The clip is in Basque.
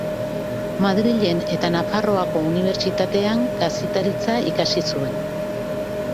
Madrilen eta Nafarroako Unibertsitatean kazetaritza ikasi zuen.